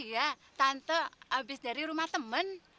iya tante habis dari rumah teman